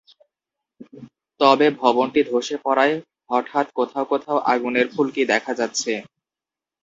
তবে ভবনটি ধসে পড়ায় হঠাৎ কোথাও কোথাও আগুনের ফুলকি দেখা যাচ্ছে।